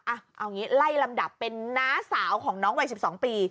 เอางี้ไล่ลำดับเป็นน้าสาวของน้องวัย๑๒ปี